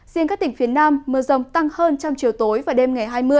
riêng các tỉnh phía nam mưa rông tăng hơn trong chiều tối và đêm ngày hai mươi